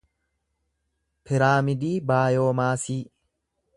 piraamidii baayoomaasii